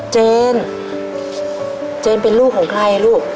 เจนเจนเป็นลูกของใครลูก